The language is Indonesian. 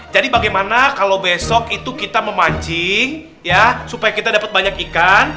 jadi bagaimana kalau besok itu kita memancing ya supaya kita dapat banyak ikan